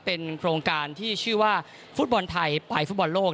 เป็นโครงการที่ชื่อว่าฟุตบอลไทยไปฟุตบอลโลก